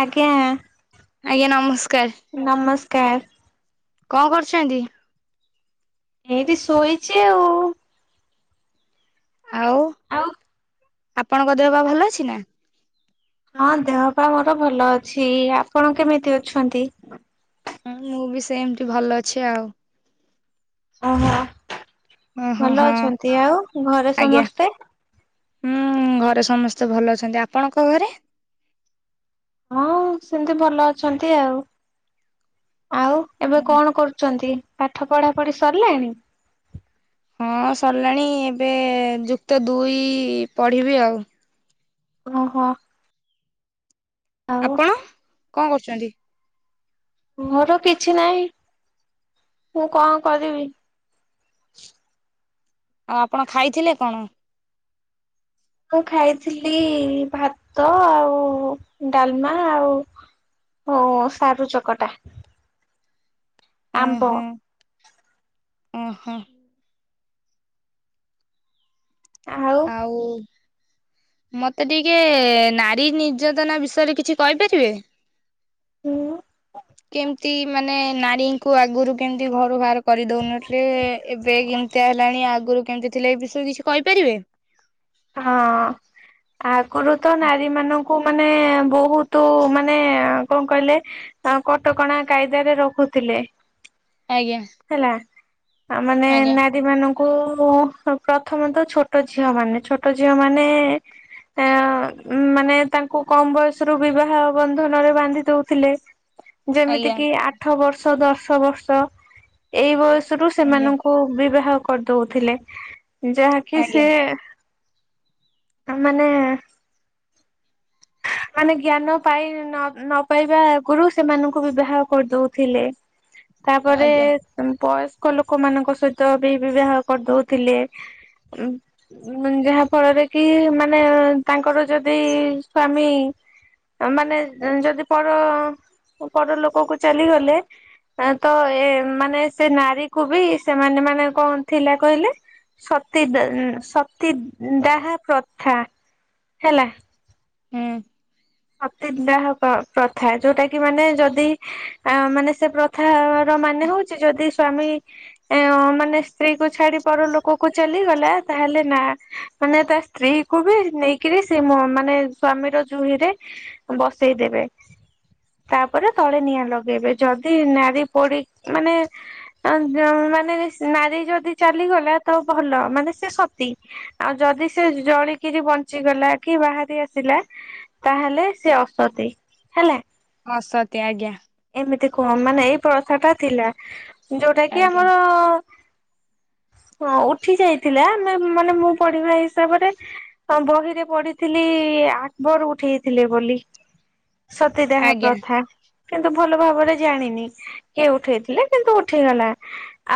ଆଜ୍ଞା। ଆଜ୍ଞା ନମସ୍କାର। ନମସ୍କାର। କଣ କରୁଛନ୍ତି? ଏଇଠି ଶୋଇଛି ଆଉ। ଆଉ ଆପଣଙ୍କ ଦେହ ବା ଆଉ ଭଲ ଅଛି ନା। ହଁ ଦେହ ପା ମୋର ଭଲ ଅଛି। ଆପଣ କେମିତି ଅଛନ୍ତି? ହଁ ମୁଁ ବି ସେମିତି ଭଲ ଅଛି ଆଉ। ଓହୋ ଓହୋ ଭଲ ହଁ ଅଛନ୍ତି ଆଉ ଘରେ ଆଜ୍ଞା ସମସ୍ତେ। ହୁଁ ଘରେ ସମସ୍ତେ ଭଲ ଅଛନ୍ତି ଆପଣଙ୍କ ଘରେ। ହଁ ସେମିତି ଭଲ ଅଛନ୍ତି ଆଉ। ଆଉ ଏବେ କଣ କରୁଛନ୍ତି ପାଠ ପଢା ପଢି ସରିଲାଣି। ହଁ ସରିଲାଣି ଏବେ ଯୁକ୍ତ ଦୁଇ ପଢ଼ିବି ଆଉ। ଓହୋ। ଆଉ ଆପଣ କଣ କରୁଛନ୍ତି? ମୋର କିଛି ନାହିଁ ମୁଁ କଣ କରିବି? ଆଉ ଆପଣ ଖାଇଥିଲେ କଣ? ମୁଁ ଖାଇଥିଲି ଭାତ ଆଉ, ଡାଲମା ଆଉ ଉ ସାରୁ ଚକଟା। ଆମ୍ବ। ଓହୋ ଓହୋ। ଆଉ ମତେ ଟିକେ ନାରୀ ନିର୍ଯାତନା ବିଷୟରେ କିଛି କହିପାରିବେ। କେମତି ମାନେ ନାରୀଙ୍କୁ ଆଗରୁ କେମିତି ଘରୁ ବାହାର କରିଦଉନଥିଲେ ଏବେ କେମିତିଆ ହେଲାଣି ଆଗରୁ କେମିତି ଥିଲେ ଏ ବିଷୟରେ କିଛି କହିପାରିବେ? ହଁ। ଆଗରୁ ତ ନାରୀ ମାନଙ୍କୁ ମାନେ ବୋହୁତୁ ମାନେ କଣ କହିଲେ ତାଙ୍କୁ କଟକଣା କାଇଦାରେ ରଖୁଥିଲେ। ଆଜ୍ଞା। ହେଲା ଆ ମାନେ ଆଜ୍ଞା ନା ରି ମାନଙ୍କୁ ପ୍ରଥମେ ତ ଛୋଟ ଝିଅ ମାନେ ଛୋଟ ଝିଅ ମାନେ ଏ ମାନେ ତାଙ୍କୁ କମ ବୟସରୁ ବିବାହ ବନ୍ଧନରେ ବାନ୍ଧି ଦଉଥିଲେ। ଆଜ୍ଞା ଯେମିତିକି ଆଠ ବର୍ଷ ଦଶ ବର୍ଷ ଏଇ ବୟସରୁ ଆଜ୍ଞା ସେମାନଙ୍କୁ ବିବାହ କରିଦଉଥିଲେ ଯାହାକି ଆଜ୍ଞା ସେ ମାନେ ମାନେ ଜ୍ଞାନ ପାଇ ନ ପାଇବା ଆଗରୁ ସେମାନଙ୍କୁ ବିବାହ କରିଦଉଥିଲେ। ତାପରେ ଆଜ୍ଞା ବୟସ୍କ ଲୋକ ମାନଙ୍କ ସହିତ ବି ବିବାହ କରିଦଉଥିଲେ। ଯାହା ଫଳରେ କି ମାନେ ତାଙ୍କର ଯଦି ସ୍ୱାମୀ ମାନେ ଯଦି ପର ପର ଲୋକ କୁ ଚାଲିଗଲେ ତ ଏ ମାନେ ସେ ନାରୀ କୁ ବି ସେମାନେ ମାନେ କଣ ଥିଲା କହିଲେ? ସତିଦା ସତୀ ଦାହା ପ୍ରଥା ହେଲା। ହୁଁ। ସତିଡ ଦାହ ପା ପ୍ରଥା ଯୋଉଟା କି ମାନେ ଯଦି ଅ ମାନେ ସେ ପ୍ରଥା ମାନେ ହଉଛି ଯଦି ସ୍ଵାମୀ ଏ ମାନେ ସ୍ତ୍ରୀ କୁ ଛାଡି ପର ଲୋକ କୁ ଚାଲିଗଲା ତାହେଲେ ନା ମାନେ ତା ସ୍ତ୍ରୀ କୁ ବି ନେଇକିରି ସେ ମୋ ମାନେ ସ୍ଵାମୀର ଜୁହିରେ ବସେଇ ଦେବେ। ତାପରେ ତଳେ ନିଆଁ ଲଗେଇବେ ଯଦି ନାରୀ ପୋଡି ମାନେ ଆଃ ଅ ମାନେ ନାରୀ ଯଦି ଚାଲିଗଲା ତ ଭଲ ମାନେ ସେ ସତୀ। ଆଉ ଯଦି ସେ ଜଳିକିରି ବଞ୍ଚିଗଲା କି ବାହାରି ଆସିଲା। ତାହେଲେ ସିଏ ଅସତି ହେଲା। ହଁ ଅସତି ଆଜ୍ଞା। ଏମିତି କୂଅ ମାନେ ଏଇ ପ୍ରଥା ଟା ଥିଲା ଯୋଉଟା କି ଆଜ୍ଞା ଆମର ହଁ ଉଠି ଯାଇଥିଲା ମାନେ ମୁଁ ପଢିବା ହିସାବରେ ବହିରେ ପଡିଥିଲି ଆକବର ଉ ଉଠେଇଥିଲେ ବୋଲି ସତୀ ଦାହା ଆଜ୍ଞା ପ୍ରଥା। କିନ୍ତୁ ଭଲ ଭାବରେ ଜାଣିନି କିଏ ଉଠେଇଥିଲେ କିନ୍ତୁ ଉଠିଗଲା।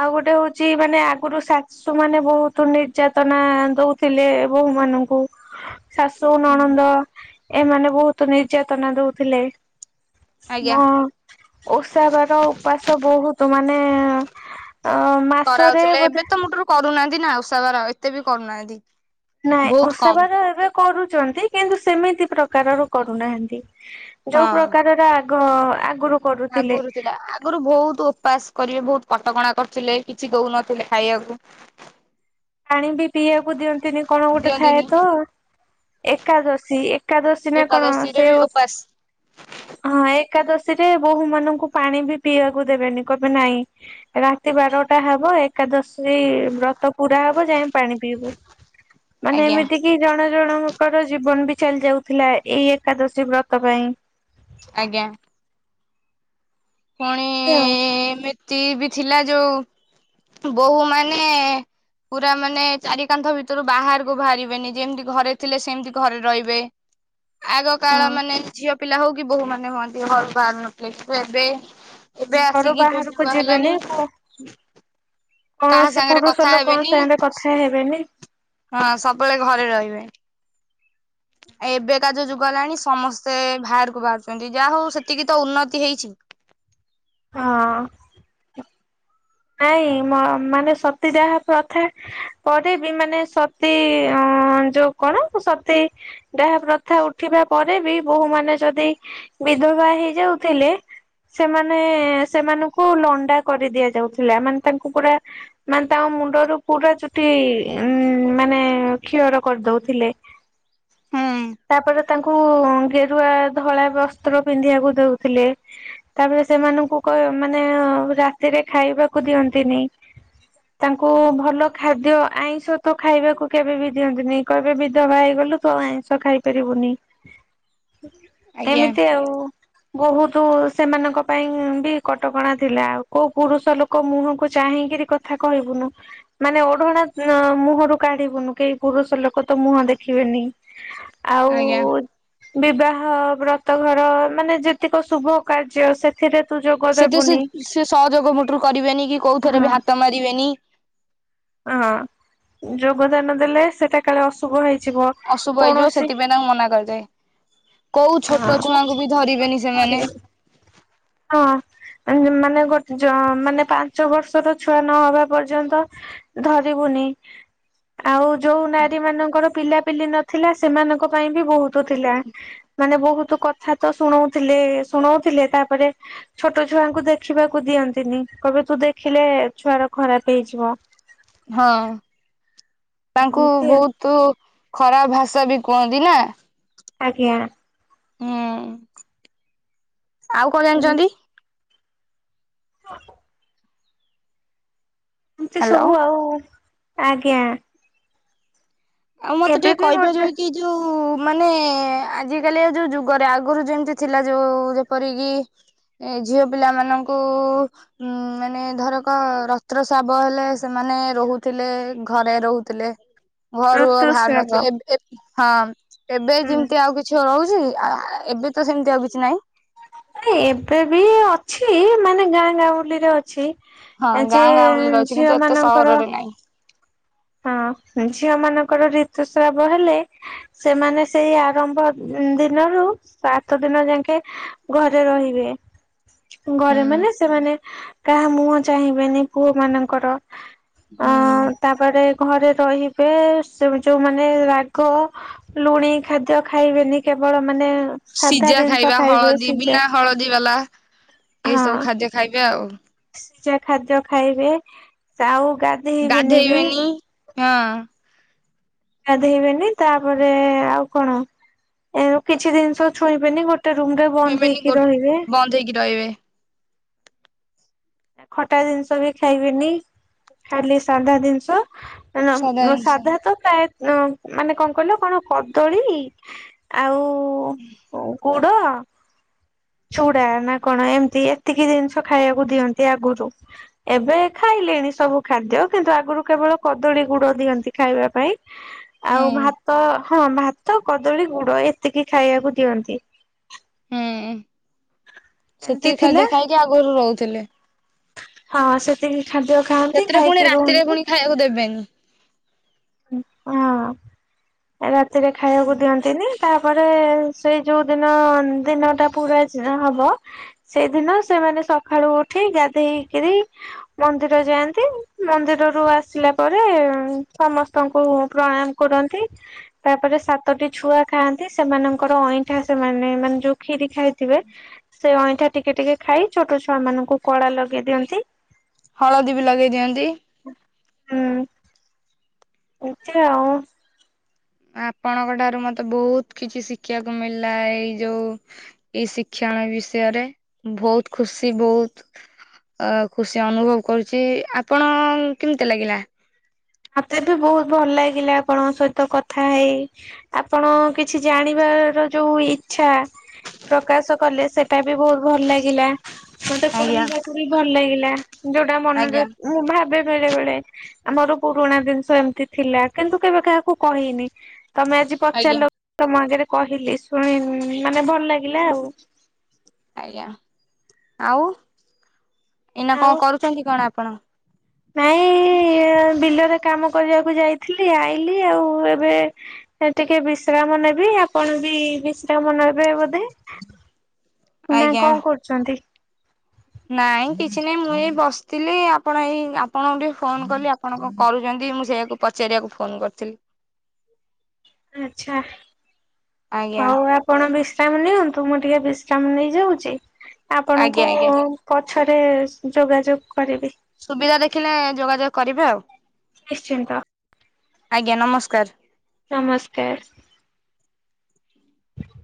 ଆଉ ଗୋଟେ ହଉଛି ମାନେ ଆଗରୁ ଶାଶୁ ମାନେ ବହୁତ ନିର୍ଯାତନା ଦଉ ଥିଲେ ବୋହୂ ମାନଙ୍କୁ। ଶାଶୁ ହୁଁ ନଣନ୍ଦ। ଏମାନେ ବହୁତ ନିର୍ଯାତନା ଦଉଥିଲେ ଆଜ୍ଞା ମ ଓସାବାର ଉପାସ ବହୁତ ମାନେ ମାସରେ କରାଉଥିଲେ ଏବେ ବୋଧେ ତ ମୁଟୁରୁ କରୁନାହାନ୍ତି ନା ଉଷାବାର ଏତେ ବି କରୁନାହାନ୍ତି। ନାଇଁ ବହୁତ କମ ଓସାବାାର ଏବେ କରୁଛନ୍ତି କିନ୍ତୁ ସେମିତି ପ୍ରକାର ର କରୁନାହାନ୍ତି। ଯୋଉ ପ୍ରକାରର ଆଗ ଆଗରୁ କରୁଥିଲେ। ଆଗୁରୁ ଥିଲା। ଆ ଆଗରୁ ବହୁତ ଉପାସ କରିବେ ବହୁତ କଟକଣା କରିଥିଲେ କିଛି ଦଉନଥିଲେ ଖାଇବାକୁ। ପାଣି ବି ପିଇବାକୁ ଦିଅନ୍ତିନି କଣ ଗୋଟେ ଥାଏ ଦିଅନ୍ତିନି ତ ଏକାଦଶୀ ଏକାଦଶୀ ନା କଣ ଏକାଦଶୀରେ ସେ ବି ଓଷ ଉପାସ ହଁ ଏକାଦଶୀ ରେ ବୋହୂ ମାନଙ୍କୁ ପାଣି ବି ପିଇବାକୁ ଦେବେନି କହିବେ ନାଇଁ। ରାତି ବାରଟା ହବ ଏକାଦଶୀ ବ୍ରତ ପୁ ପୁରା ହବ ଯାଇ ପାଣି ପିଇବୁ ମାନେ ଆଜ୍ଞା ଏମିତି କି ଜଣ ଜଣଙ୍କର ଜୀବନ ବି ଚାଲି ଯାଉଥିଲା ଏଇ ଏକାଦଶୀ ବ୍ରତ ପାଇଁ। ଆଜ୍ଞା। ପୁଣି ଆଉ ଏମିତି ବି ଥିଲା ଯୋଉ ବୋହୂ ମାନେ ପୁରା ମାନେ ଚାରି କାନ୍ଥ ଭିତରୁ ବାହାରକୁ ବାହାରିବେନି ଯେମିତି ଘରେ ଥିଲେ ସେମିତି ଘରେ ରହିବେ। ଆଗ କାଳ ହଁ। ମାନେ ଝିଅ ପିଲା ହଉ କି ବୋ ମାନେ ହୁଅନ୍ତି ଏବେ ଏବେ ଘରୁ ଆସିକି ଯୋଉ ବାହାରକୁ ଯୁଗ ହେଲାଣି ଯିବେନି କୁ କାହା କୌଣସି ସାଙ୍ଗରେ ପୁରୁଷ କଥା ଲୋକଙ୍କ ହେବେନି ସାଙ୍ଗରେ କଥା ହେବେନି। ହଁ ସବୁବେଳେ ଘରେ ରହିବେ। ଏବେକା ଯୋଉ ଯୁଗ ହେଲାଣି ସମସ୍ତେ ବାହାରକୁ ବାହାରୁଛନ୍ତି ଯାହା ହଉ ସେତିକି ତ ଉନ୍ନତି ହେଇଛି। ହଁ। ନାଇଁ ମାନେ ସତୀ ଦାହା ପ୍ରଥା ପରେ ବି ମାନେ ସତୀ ଅ ଯୋଉ କଣ ସତୀ ଯାହା ପ୍ରଥା ଉଠିବା ପରେ ବି ବୋହୂ ମାନ ଯଦି ବିଧବା ହେଇଯାଉଥିଲେ। ସେମାନେ ସେମାନଙ୍କୁ ଲଣ୍ଡା କରିଦିଆ ଯାଉଥିଲା ମାନେ ତାଙ୍କୁ ପୁରା। ମାନେ ତାଙ୍କ ମୁଣ୍ଡରୁ ପୁରା ଚୁଟି ଉ ମାନେ କ୍ଷିଅର କରିଦଉଥିଲେ। ହ [inaudible] ତାପରେ ତାଙ୍କୁ ଗେରୁଆ ଧଳା ବସ୍ତ୍ର ପିନ୍ଧିବାକୁ ଦଉଥିଲେ। ତାପରେ ସେମାନଙ୍କୁ କ ମାନେ ରାତିରେ ଖାଇବାକୁ ଦିଅନ୍ତିନି। ତାଙ୍କୁ ଭଲ ଖାଦ୍ୟ ଆଇଁଷ ତ ଖାଇବାକୁ କେବେ ବି ଦିଅନ୍ତିନିଁ କହିବେ ବିଧବା ହେଇଗଲୁ। ତ ଆଇଁଷ ଖାଇ ପାରିବୁନି। [inaudible] ଆଜ୍ଞା ଏମିତି ଆଉ। ବହୁତ ସେମାନଙ୍କ ପାଇଁ ବି କଟକଣା ଥିଲା ଆଉ କୋଉ ପୁରୁଷ ଲୋକ। କୋଉ ମୁହକୁ ଚାହିଁକିରି କଥା କହିବୁନୁ। ମାନେ ଓଢଣା ମୁହଁରୁ କାଢିବୁନୁ, କେହି ପୁରୁଷ ଲୋକ ତ ମୁହଁ ଦେଖିବେନି। [inaudible] ଆଉ ଆଜ୍ଞା। ବିବାହ ବ୍ରତଘର ମାନେ ଯେତିକ ଶୁଭ କାର୍ଯ୍ୟ ସେ ସେଥିରେ ତୁ ଯୋଗ ସେତେ ସେ ଦେବୁନି। ସେ ସହଯୋଗ ମୋଟୁରୁ କରିବେନି କି, କୋଉ ଥର ବି ହାତ ମାରିବେନି। ହଁ, ଯୋଗଦାନ ଦେଲେ ସେଟା କାଳେ ଅଶୁଭ ହେଇଯିବ। ଅଶୁଭ ହେଇଯିବ କୌଣସି ସେଥିପାଇଁ ତାଙ୍କୁ ମନା କରିଯାଏ କୋଉ ଛୋଟ ହଁ ଛୁଆଙ୍କୁ ବି ଧରିବେନି ସେମାନେ ହଁ ମାନେ ଗୋଟେ ଜ ଗୋଟେ ମାନେ ପାଞ୍ଚ ବର୍ଷର ଛୁଆ ନହବା ପର୍ଯ୍ୟନ୍ତ ଧରିବୁନି। [inaudible] ଯଉ ନାରୀ ମାନଙ୍କର ପିଲାପିଲି ନଥିଲା, ସେମାନଙ୍କ ପାଇଁ ବି ବହୁତ। ତୁ ଥିଲା, ମାନେ ବହୁତ କଥା ତ ଶୁଣଉଥିଲେ, ଶୁଣଉଥିଲେ, ତାପରେ ଛୋଟ ଛୁଆଙ୍କୁ ଦେଖିବାକୁ ଦିଅନ୍ତିନି, କହିବେ ତୁ ଦେଖିଲେ ଛୁଆର ଖରାପ ହେଇଯିବ। ହଁ ତାଙ୍କୁ ଏମତି ଆଉ ବୋହୁତ। ତୁ ଖରାପ ଭାଷା ବି କୁହନ୍ତି ନା। ଆଜ୍ଞା। ହୁଁ, ଆଉ କଣ ଜାଣିଛନ୍ତି? [inaudible] ଏମତି ହ୍ୟାଲୋ। ସବୁ ଆଉ, ଆଜ୍ଞା। ଆଉ ମତେ ଏବେ ଟିକେ ବି ଗୋଟେ କହିପାରିବେ କି ଯୋଉ ମାନେ ଆଜି କାଲି ଯୋଉ ଯୁଗରେ, ଆଗରୁ ଯେମିତି ଥିଲା ଯୋଉ ଯେପରିକି ଏ ଝିଅ ପିଲାମାନଙ୍କୁ ଉଁ ମାନେ ଧରକ ରତସ୍ରାବ ହେଲେ ସେମାନେ ରହୁଥିଲେ ଘରେ ରହୁଥିଲେ। ଘରୁ ବାହାରି ଋତୁସ୍ରାବ ନଥିଲେ ଏବେ ଏବେ ହଁ ଏବେ ହୁଁ ଯେମିତି ଆଉ କିଛି ରହୁଛି, ଏବେ ତ ସେମିତି ଆଉ କିଛି ନାହିଁ। ନ ଏବେ ବି ଅଛି, ମାନେ ଗାଁ ଗାଉଲିରେ ଅଛି। ହଁ ଅଛି ଯେ ଗାଁ ଗାଉଁଲିରେ ଅଛି ଝିଅ କିନ୍ତୁ ଏତେ ମାନଙ୍କର ସହରରେ ନାହିଁ। ହଁ ଝିଅ ମାନଙ୍କର ଋତୁସ୍ରାବ ହେଲେ ସେମାନେ ସେଇ ଆରମ୍ଭ ଦିନରୁ ସାତ ଦିନ ଯାକେ ଘରେ ରହିବେ। ଘରେ ହୁଁ ମାନେ ସେମାନେ କାହା ମୁହଁ ଚାହିଁବେନି, ପୁଅ ମାନଙ୍କର। ଅ ହୁଁ ତାପରେ ଘରେ ରହିବେ, [unintelligible] ମାନେ ରାଗ। ଲୁଣି ଖାଦ୍ୟ ଖାଇବେନି, କେବଳ ମାନେ ସାଧା ସିଝା ଜିନିଷ ଖାଇବା, ଖାଇବେ ହଳଦୀ ସିଝା ବିନା ହଳଦୀ ବାଲା ଏସବୁ ଖାଦ୍ୟ ଖାଇବେ ଆଉ। ସିଜା ଖାଦ୍ୟ ଖାଇବେ ଆଉ ଗା ଗାଧୋଇବେନି, ହଁ ଗାଧେଇବେନି ତାପରେ ଆଉ କଣ? ଏ କିଛି ଜିନିଷ ଛୁଇଁବେନି ଗୋଟେ ଗଟେ ରୁମ ରେ ବନ୍ଦ ଛୁଇଁବେନି ଗୋ ହେଇକି ରହିବେ। ବନ୍ଦ ହେଇକି ରହିବେ। ଖଟା ଜିନିଷ ବି ଖାଇବେନି, ଖାଲି ସାଧା ଜିନିଷ ନା ମ ସାଧା ତ ପ୍ରାୟ ହ ମାନେ କଣ କହିଲ କଣ କଦଳୀ ଆଉ-ଉ ଗୋ ଅ ଚୁଡା ନା କଣ ଏମତି, ଏତିକି ଜିନିଷ ଖାଇବାକୁ ଦିଅନ୍ତୁ। ତ୍ୟାଗୁରୁ ଏବେ ଖାଇଲେଣି ସବୁ ଖାଦ୍ୟ କିନ୍ତୁ ଆଗରୁ କେବଳ କଦଳୀ ଗୁଡ ଦିଅନ୍ତି ଖାଇବା ପାଇଁ। ଆଉ ହୁଁ ଭାତ ହଁ ଭାତ, କଦଳୀ ଗୁଡ, ଏତିକି ଖାଇବାକୁ ଦିଅନ୍ତି। ହୁଁ ଏମିତି ସେତିକି ଥିଲା ଖାଦ୍ୟ ଖାଇକି ଆଗରୁ ରହୁଥିଲେ। ହଁ ସେତିକି ଖାଦ୍ୟ ଖାଆନ୍ତି ସେଥିରୋ ପୁଣି ଖାଇକି ରାତିରେ ରୁହନ୍ତି। ପୁଣି ଖାଇବାକୁ ଦେବେନି। ହଁ ରାତିରେ ଖାଇବାକୁ ଦିଅନ୍ତିନି। ତାପରେ ସେଇ ଯୋଉ ଦିନ ଦିନ ଟା ପୁରା ହବ ସେଦିନ ସେମାନେ ସକାଳୁ ଉଠି ଗାଧେଇକିରି ମନ୍ଦିର ଯାଆନ୍ତି। ମନ୍ଦିରରୁୁ ଆସିଲା ପରେ ସମ ସ୍ତଙ୍କୁ ପ୍ରଣାମ କରନ୍ତି। ତାପରେ ସାତଟି ଛୁଆ ଖାଆନ୍ତି ସେମାନଙ୍କର ଅଇଁଠା ସେମାନେ ମାନେ ଯୋଉ କ୍ଷିରି ଖାଇଥିବେ ସେ ଅଇଁଠା ଟିକେ ଟିକେ ଖାଇ ଛୋଟ ଛୁଆ ମାନଙ୍କୁ କଳା ଲଗେଇ ଦିଅନ୍ତି। ହଳଦୀ ବି ଲଗେଇ ଦିଅନ୍ତି। ହୁଁ। ଏନ୍ତି ଆଉ। ଆପଣଙ୍କ ଠାରୁ ମତେ ବହୁତ କିଛି ଶିଖିବାକୁ ମିଳିଲା। ଏଇ ଯୋଉ ଏଇ ଶିକ୍ଷଣ ବିଷୟରେ। ବହୁତ ଖୁସି ବହୁତ ଅ ଖୁସି ଅନୁଭବ କରୁଚି। ଆପଣଙ୍କୁ କେମିତି ଲାଗିଲା? ମତେ ବି ବହୁତ ଭଲ ଲାଗିଲା ଆପଣଙ୍କ ସହିତ କଥା ହେଇ। ଆପଣ କିଛି ଜାଣିବାର ଯୋଉ ଇଚ୍ଛା ପ୍ରକାଶ କଲେ ସେଟା ବି ବହୁତ ଭଲ ଲାଗିଲା। ମତେ ଆଜ୍ଞା କହିଲ ବି ଭଲ ଲାଗିଲା। ଯୋଉଟା ମନରେ ଆଜ୍ଞା ମୁଁ ଭାବେ ବେଳେ ବେଳେ ଆମର ପୁରୁଣା ଜିନିଷ ଏମିତି ଥିଲା କିନ୍ତୁ କେବେ କାହାକୁ କହିନି। ତମେ ଆଜି ଆଜ୍ଞା ପଚାରିଲ ତମ ଆଗରେ କହିଲି ଶୁଣି ମାନେ ଭଲ ଲାଗିଲା ଆଉ। ଆଜ୍ଞା। ଆଉ ଏଇନା ଆଉ କଣ କରୁଛନ୍ତି କଣ ଆପଣ? ନାଇଁ ବିଲରେ କାମ କରିବାକୁ ଯାଇଥିଲି ଆଇଲି ଆଉ ଏବେ ଟିକେ ବିଶ୍ରାମ ନେବି। ଆପଣ ବି ବିଶ୍ରାମ ନେବେ ବୋଧେ? ନା ଆଜ୍ଞା କଣ କରୁଚନ୍ତି? ନାଇଁ କିଛି ନାଇଁ ମୁଁ ଏଇ ବସିଥିଲି ଆପଣ ଏଇ ଆପଣଙ୍କୁ ଟିକେ ଫୋନ କଲି ଆପ ଆପଣ କଣ କରୁଛନ୍ତି ମୁଁ ସେଇଆକୁ ପଚାରିବାକୁ ଫୋନ କରିଥିଲି। ଆଛା। ଆଜ୍ଞା ହଉ ଆପ ଆପଣ ବିଶ୍ରାମ ନିଅନ୍ତୁ। ମୁଁ ଟିକେ ବିଶ୍ରାମ ନେଇଯାଉଚି ଆଜ୍ଞା ଆପଣଙ୍କୁ ଆଜ୍ଞା ପଛରେ ଯୋଗାଯୋଗ କରିବି। ସୁବିଧା ଦେଖିଲେ ଯୋଗାଯୋଗ କରିବେ ଆଉ। ନିଶ୍ଚିନ୍ତ ଆଜ୍ଞା ନମସ୍କାର। ନମସ୍କାର।